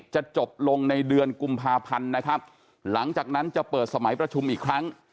จะจบลงในเดือนกุมภาพันธ์นะครับหลังจากนั้นจะเปิดสมัยประชุมอีกครั้ง